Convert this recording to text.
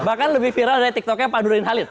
bahkan lebih viral dari tiktoknya pak durin halil